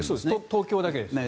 東京だけですよね。